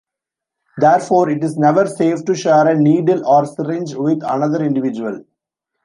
Therefore, it is never safe to share a needle or syringe with another individual.